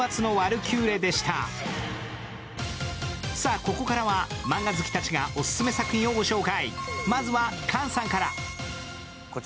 ここからはマンガ好きたちがオススメ作品をご紹介。